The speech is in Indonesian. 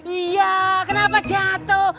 iya kenapa jatuh